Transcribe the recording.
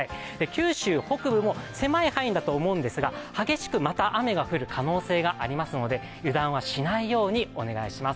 九州北部も狭い範囲だと思うんですが、激しくまた雨が降る可能性がありますので油断はしないようにお願いします。